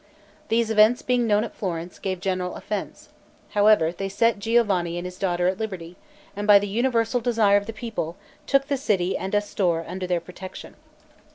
These events being known at Florence, gave general offense; however, they set Giovanni and his daughter at liberty, and by the universal desire of the people, took the city and Astorre under their protection.